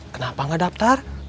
kenapa nggak daftar